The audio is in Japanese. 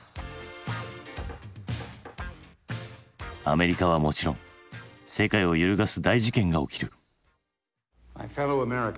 アメリカはもちろん世界を揺るがす大事件が起きる。